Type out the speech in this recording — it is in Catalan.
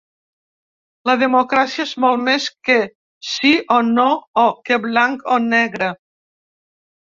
La democràcia és molt més que sí o no o que blanc o negre.